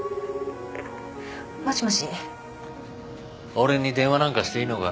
俺に電話なんかしていいのか？